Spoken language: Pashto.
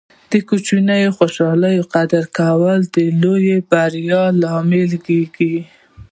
د کوچنیو خوشحالۍو قدر کول د لویو بریاوو لامل کیږي.